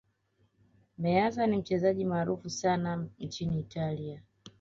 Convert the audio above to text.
meazza ni mchezaji maarufu sana nchini italia